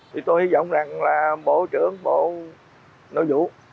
thì tôi hy vọng rằng là bộ trưởng bộ nội vụ